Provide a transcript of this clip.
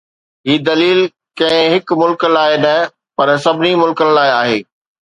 هي دليل ڪنهن هڪ ملڪ لاءِ نه، پر سڀني ملڪن لاءِ آهي.